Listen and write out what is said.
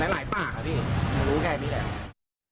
หลายป้าเหรอพี่ไม่รู้แค่นี้แหละ